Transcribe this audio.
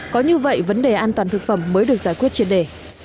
có như vậy vấn đề an toàn thực phẩm mới được giải quyết triệt đề